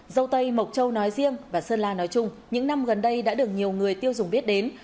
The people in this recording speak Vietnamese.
dâu tây mộc châu nói riêng và sơn la nói chung những năm gần đây đã được nhiều người tiêu dùng biết đến